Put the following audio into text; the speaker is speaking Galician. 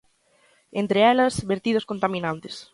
Entre elas, vertidos contaminantes.